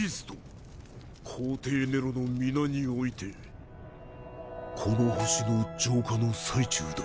皇帝ネロの御名においてこの星の浄化の最中だ。